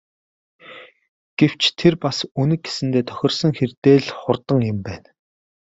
Гэвч тэр бас Үнэг гэсэндээ тохирсон хэрдээ л хурдан юм байна.